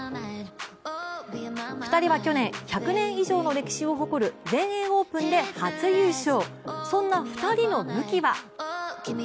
２人は去年、１００年以上の歴史を誇る全英オープンで初優勝。